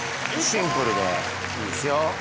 シンプルでいいですよ。